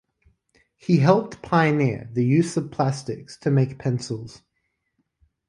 He helped pioneer the use of plastics to make pencils.